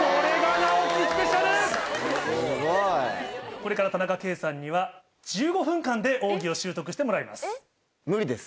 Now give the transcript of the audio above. これから田中圭さんには１５分間で奥義を習得してもらいます。